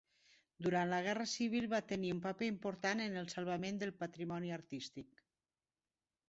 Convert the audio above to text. Durant la guerra civil va tenir un paper important en el salvament del patrimoni artístic.